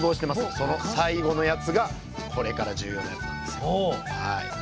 その最後のやつがこれから重要なやつなんです。